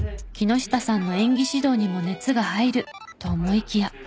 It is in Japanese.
木下さんの演技指導にも熱が入ると思いきや。